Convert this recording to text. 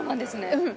うん。